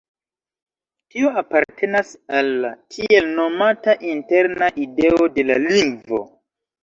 Tio apartenas al la tiel nomata interna ideo de la lingvo.